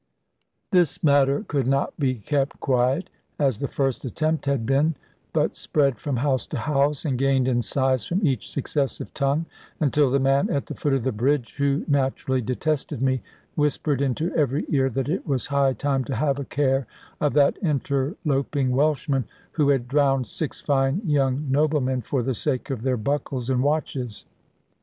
This matter could not be kept quiet, as the first attempt had been, but spread from house to house, and gained in size from each successive tongue, until the man at the foot of the bridge, who naturally detested me, whispered into every ear, that it was high time to have a care of that interloping Welshman, who had drowned six fine young noblemen, for the sake of their buckles and watches.